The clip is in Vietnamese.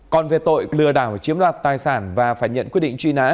còn về tội lừa đảo chiếm đoạt tài sản và phải nhận quyết định truy nã